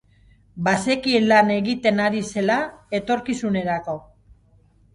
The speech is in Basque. Bazekien lan egiten ari zela etorkizunerako.